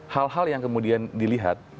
hal hal yang kemudian dilihat